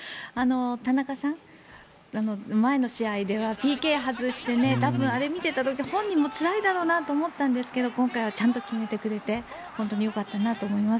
田中さん、前の試合ではＰＫを外して多分、あれを見ていた時本人もつらいだろうなと思ったんですけど今回はちゃんと決めてくれて本当によかったなと思います。